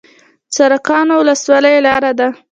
سرکانو ولسوالۍ لاره ده؟